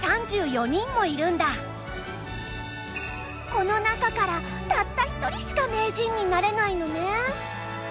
この中からたった一人しか名人になれないのね。